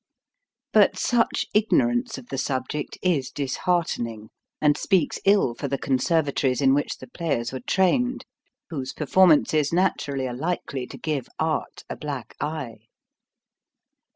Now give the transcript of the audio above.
But such ignorance of the subject is disheartening, and speaks ill for the conservatories in which the players were 26 HOW TO SING trained, whose performances naturally are likely to give art a black eye.